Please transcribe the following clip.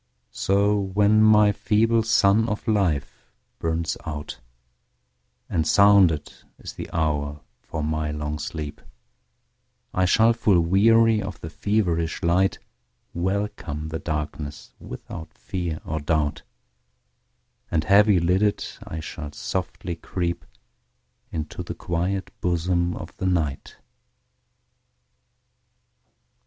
So when my feeble sun of life burns out, And sounded is the hour for my long sleep,I shall, full weary of the feverish light, Welcome the darkness without fear or doubt, And heavy lidded, I shall softly creepInto the quiet bosom of the Night.